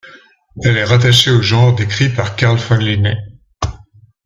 Elle est rattachée au genre décrit par Carl von Linné.